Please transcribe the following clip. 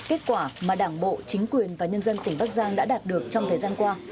kết quả mà đảng bộ chính quyền và nhân dân tỉnh bắc giang đã đạt được trong thời gian qua